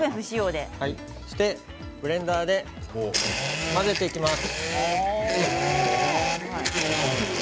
そして、ブレンダーで混ぜていきます。